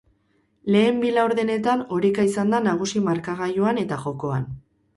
Lehen bi laurdenetan oreka izan da nagusi markagailuan eta jokoan.